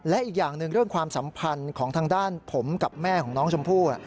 และอีกอย่างหนึ่งเรื่องความสัมพันธ์ของทางด้านผมกับแม่ของน้องชมพู่